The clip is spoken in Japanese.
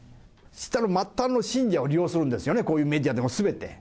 下の末端の信者を利用するんですよね、こういうメディアでも、すべて。